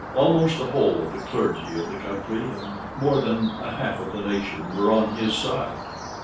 Almost the whole of the clergy of the country and more than a half of the nation were on this side.